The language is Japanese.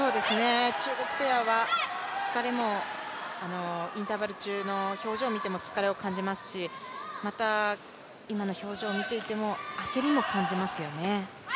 中国ペアはインターバル中の表情を見ても疲れを感じますしまた今の表情を見ていても焦りも感じますよね。